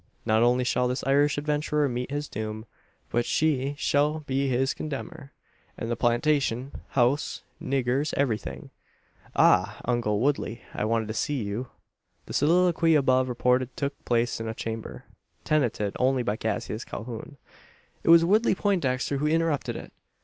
Not only shall this Irish adventurer meet his doom; but she shall be his condemner; and the plantation, house, niggers, everything . Ah! uncle Woodley; I wanted to see you." The soliloquy above reported took place in a chamber, tenanted only by Cassius Calhoun. It was Woodley Poindexter who interrupted it.